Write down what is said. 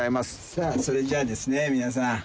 さぁそれじゃあですね皆さん。